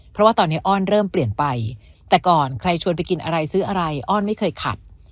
เพราะว่าตอนนี้อ้อนเริ่มเปลี่ยนไปแต่ก่อนใครชวนไปกินอะไรซื้ออะไรอ้อนไม่เคยขัด